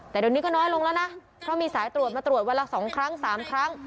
แต่เดี๋ยวนี้ก็น้อยลงแล้วนะเพราะมีสายตรวจมาตรวจวันละ๒ครั้ง๓ครั้ง